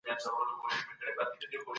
څېړونکی به سبا په کتابتون کې کار کوي.